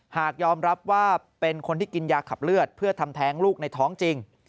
หากยอมรับว่าเป็นคนที่กินยาขับเลือดเพื่อทำแท้งลูกในท้องจริง